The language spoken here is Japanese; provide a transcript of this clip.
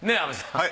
はい。